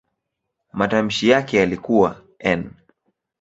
Matamshi yake yalikuwa "n".